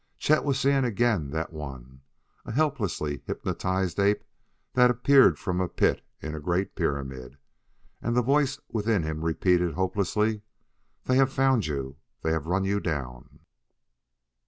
Chet was seeing again that one a helplessly hypnotized ape that appeared from a pit in a great pyramid. And the voice within him repeated hopelessly: "They have found you. They have run you down."